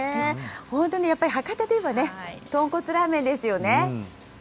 本当にやっぱり博多といえばね、豚骨ラーメンですよね。